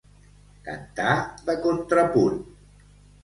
Cantar de contrapunt.